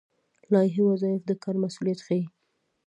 لایحه وظایف د کار مسوولیت ښيي